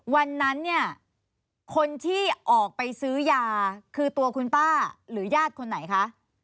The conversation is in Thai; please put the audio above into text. วันนั้นเนี่ยคนที่ออกไปซื้อยาคือตัวคุณป้าหรือญาติคนไหนคะ